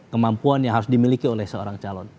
kemampuan yang harus dimiliki oleh seorang calon